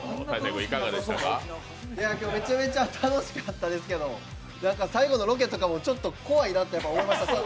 今日、めちゃめちゃ楽しかったですけど最後のロケとかもちょっと怖いなって思いました、今日。